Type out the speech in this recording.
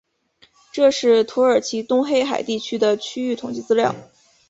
这是土耳其东黑海地区的区域统计资料。